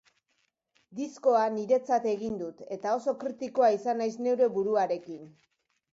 Diskoa niretzat egin dut, eta oso kritikoa izan naiz neure buruarekin.